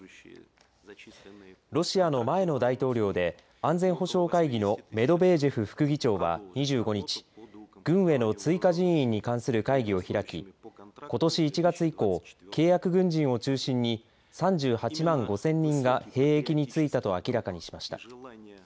ロシアの前の大統領で安全保障会議のメドベージェフ副議長は２５日軍への追加人員に関する会議を開きことし１月以降契約軍人を中心に３８万５０００人が兵役に就いたと明らかにしました。